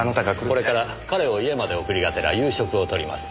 これから彼を家まで送りがてら夕食をとります。